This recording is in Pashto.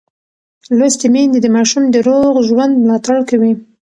لوستې میندې د ماشوم د روغ ژوند ملاتړ کوي.